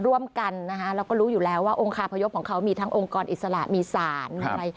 ร่วมกันนะคะเราก็รู้อยู่แล้วว่าองคาพยพของเขามีทั้งองค์กรอิสระมีสารมีอะไร